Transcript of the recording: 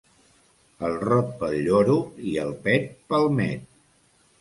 El rot pel lloro i el pet pel met.